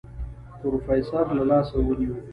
پروفيسر له لاسه ونيو.